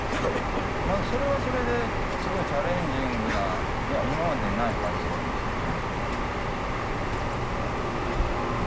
それはそれですごいチャレンジングな今までにない発想ですね。